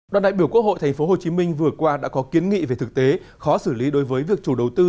đoàn đại biểu quốc hội tp hcm vừa qua đã có kiến nghị về thực tế khó xử lý đối với việc chủ đầu tư